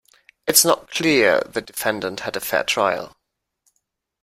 It's not clear the defendant had a fair trial.